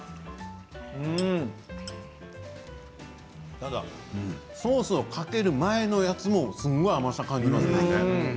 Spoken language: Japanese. ただソースをかける前のやつもすごい甘さを感じますもんね。